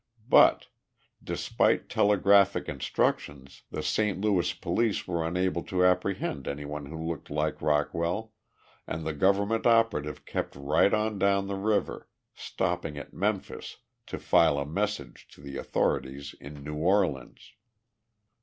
But, despite telegraphic instructions, the Saint Louis police were unable to apprehend anyone who looked like Rockwell and the government operative kept right on down the river, stopping at Memphis to file a message to the authorities in New Orleans.